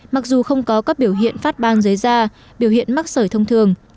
mặc dù không có các biểu hiện phát bang dưới da biểu hiện mắc sởi thông thường